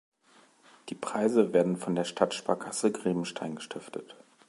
Die Preise werden von der Stadtsparkasse Grebenstein gestiftet.